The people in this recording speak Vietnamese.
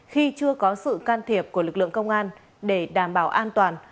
khi chưa có sự can thiệp của lực lượng công an để đảm bảo an toàn